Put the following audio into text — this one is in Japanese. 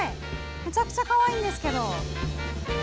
めちゃくちゃかわいいんですけど。